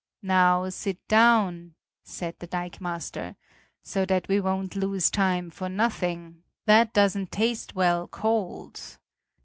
"Now sit down," said the dikemaster, "so that we won't lose time for nothing; that doesn't taste well cold."